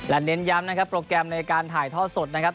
และเน้นย้ำนะครับโปรแกรมในการถ่ายท่อสดนะครับ